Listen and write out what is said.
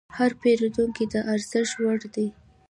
هر پیرودونکی د ارزښت وړ دی.